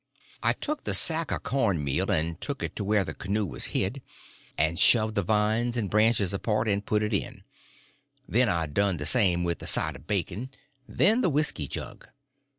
I took the sack of corn meal and took it to where the canoe was hid, and shoved the vines and branches apart and put it in; then I done the same with the side of bacon; then the whisky jug.